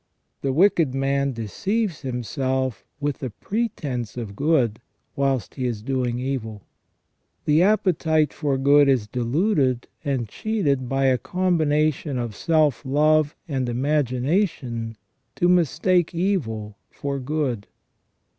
The wicked man deceives himself with the pretence of good whilst he is doing evil. The appetite for good is deluded and cheated by a com bination of self love and imagination to mistake evil for good.